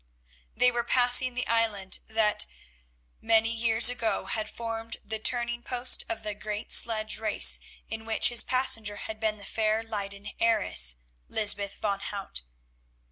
They were passing the island that, many years ago, had formed the turning post of the great sledge race in which his passenger had been the fair Leyden heiress, Lysbeth van Hout.